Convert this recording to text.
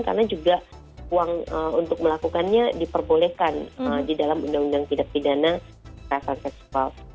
karena juga uang untuk melakukannya diperbolehkan di dalam undang undang tidak pidana kerasan seksual